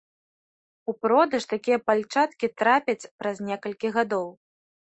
У продаж такія пальчаткі трапяць праз некалькі гадоў.